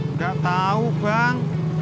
nggak tau bang